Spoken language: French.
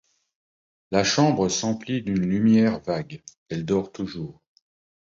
La chambre s'emplit d'une lumière vague. -Elle dort toujours.